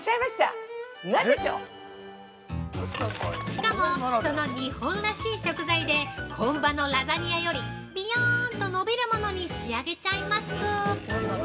◆しかも、その日本らしい食材で本場のラザニアよりびよんと伸びるものに仕上げちゃいます。